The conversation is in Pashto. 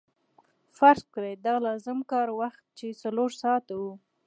فرض کړئ د لازم کار وخت چې څلور ساعته وو